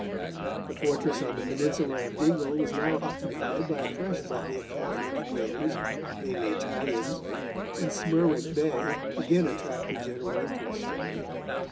The fortress on the peninsula of Dingle was now occupied by a fresh body of Catholic invaders, mainly Italians, and Smerwick Bay again attracted general interest.